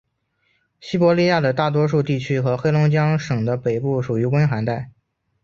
西伯利亚的大多数地区和黑龙江省的北部属于寒温带。